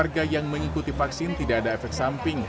warga yang mengikuti vaksin tidak ada efek samping